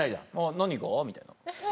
「何が？」みたいな。